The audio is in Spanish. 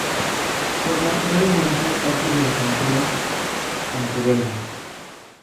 Forma brevemente parte de la frontera francobelga.